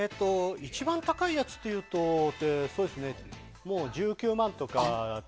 一番高いやつというともう１９万とか。